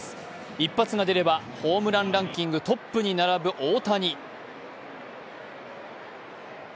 一発が出ればホームランランキングトップに並ぶ大谷。